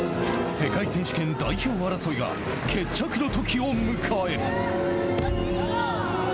世界選手権代表争いが決着のときを迎える。